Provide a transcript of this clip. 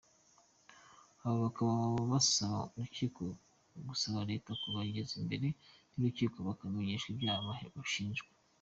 Aba bakaba basaba urukiko gusaba leta kubageza imbere y’urukiko bakamenyeshwa ibyaha bashinjwa.